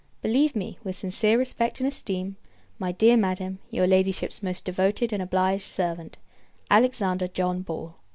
Believe me, with sincere respect and esteem, my dear Madam, your Ladyship's most devoted and obliged servant, ALEXANDER JOHN BALL.